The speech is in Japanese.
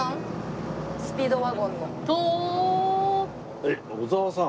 えっ小沢さん？